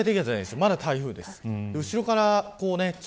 まだ台風です。